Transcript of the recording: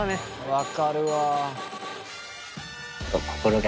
分かるわ。